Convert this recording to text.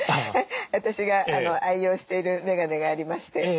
私が愛用しているメガネがありまして